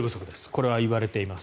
これはいわれています。